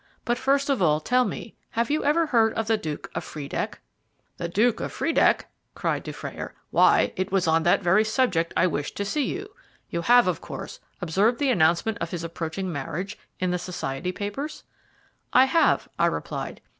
But first of all tell me, have you ever heard of the Duke of Friedeck?" "The Duke of Friedeck!" cried Dufrayer. "Why, it was on that very subject I wished to see you. You have, of course, observed the announcement of his approaching marriage in the society papers?" "I have," I replied.